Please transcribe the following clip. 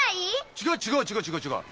違う違う違う違う違う。